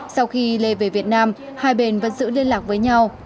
sau khi lê về việt nam hai bên vẫn giữ liên lạc với nhau